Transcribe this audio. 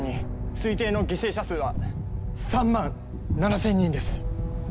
推定の犠牲者数は３万７，０００人です。